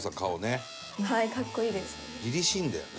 凛々しいんだよね。